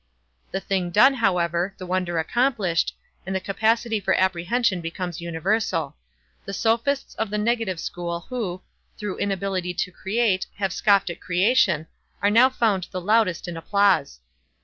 The thing done, however; the wonder accomplished; and the capacity for apprehension becomes universal. The sophists of the negative school who, through inability to create, have scoffed at creation, are now found the loudest in applause.